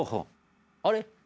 あれ？